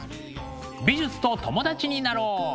美術と友達になろう！